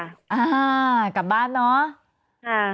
อ่ากลับบ้านเนอะ